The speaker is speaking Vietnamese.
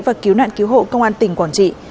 và cứu nạn cứu hộ công an tỉnh quảng trị